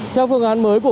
theo phương án mới của